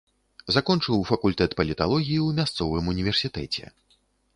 Закончыў факультэт паліталогіі ў мясцовым універсітэце.